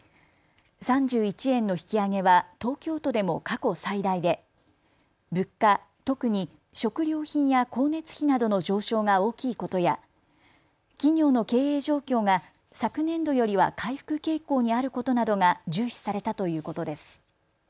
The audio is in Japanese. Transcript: ３１円の引き上げは東京都でも過去最大で物価、特に食料品や光熱費などの上昇が大きいことや企業の経営状況が昨年度よりは回復傾向にあることなどが重視されたということです。